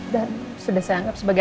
dan sudah saya anggap sebagai